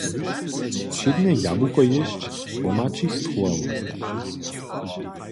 Wšědnje jabłuko jěsć pomha ći strowa wostać!